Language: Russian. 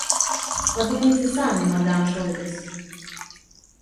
Подумайте сами, мадам Шойбес